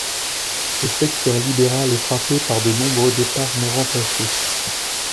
Le secteur libéral est frappé par de nombreux départs non remplacés.